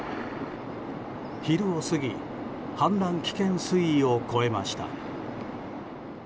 昼を過ぎ氾濫危険水位を超えました。